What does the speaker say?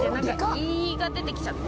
胃が出てきちゃった。